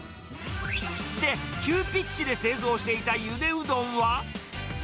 で、急ピッチで製造していたゆでうどんは。